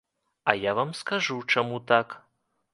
А я вам скажу, чаму так.